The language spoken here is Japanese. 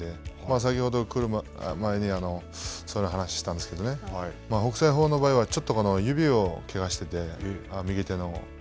先ほど来る前にそのような話をしたんですけど、北青鵬の場合はちょっと指をけがしてて、右手の。